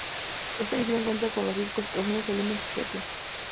Esta edición cuenta con los discos, los mismo Elements, Pt.